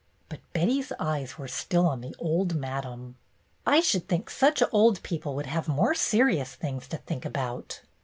But Betty's eyes were still on the old Madame. "I should think such old people would have more serious things to think about!"